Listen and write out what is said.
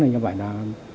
như vậy là